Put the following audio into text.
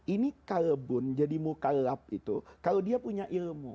ini kalbun jadi mukalab itu kalau dia punya ilmu